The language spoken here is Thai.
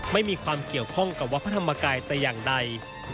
ไม่มีความเกี่ยวข้องกับวัดพระธรรมกายแต่อย่างใด